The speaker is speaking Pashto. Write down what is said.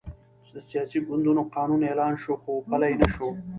د سیاسي ګوندونو قانون اعلان شو، خو پلی نه شو.